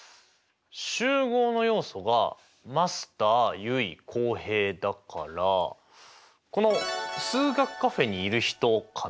集合の要素がマスター結衣浩平だからこの数学カフェにいる人かな。